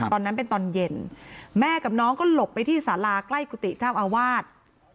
ตอนนั้นเป็นตอนเย็นแม่กับน้องก็หลบไปที่สาราใกล้กุฏิเจ้าอาวาส